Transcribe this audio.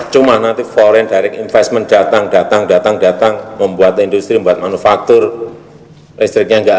cuma nanti foreign direct investment datang datang datang datang datang datang membuat industri membuat manufaktur listriknya enggak